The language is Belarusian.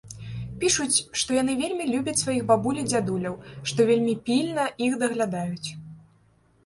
Пішуць, што яны вельмі любяць сваіх бабуль і дзядуляў, што вельмі пільна іх даглядаюць.